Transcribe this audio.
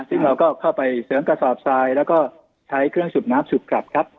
ซึ่งเราก็เข้าไปเสริมกระสอบทรายแล้วก็ใช้เครื่องสูบน้ำสูบกลับครับ